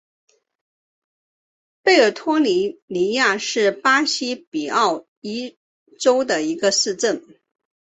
贝尔托利尼亚是巴西皮奥伊州的一个市镇。